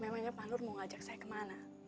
memangnya pak nur mau ngajak saya kemana